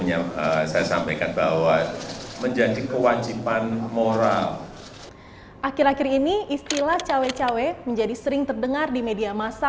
akhir akhir ini istilah cawe cawe menjadi sering terdengar di media masa